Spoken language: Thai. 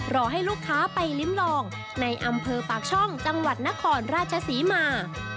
รอให้ลูกค้าไปลิ้มลองในอำเภอปากช่องจังหวัดนครราชศรีมา